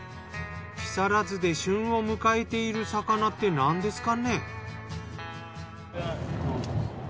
木更津で旬を迎えている魚って何ですかね？